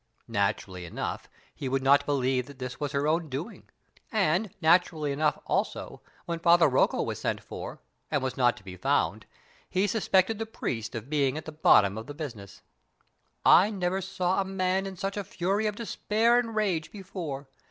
Naturally enough, he would not believe that this was her own doing; and, naturally enough also, when Father Rocco was sent for, and was not to be found, he suspected the priest of being at the bottom of the business. I never saw a man in such a fury of despair and rage before.